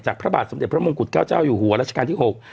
จากพระบาทสำหรับพระมงคุฎเก้าเจ้าอยู่หัวราชการที่หก